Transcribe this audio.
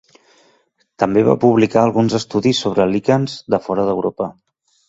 També va publicar alguns estudis sobre líquens de fora d'Europa.